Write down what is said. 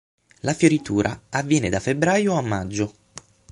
La fioritura avviene da febbraio a maggio.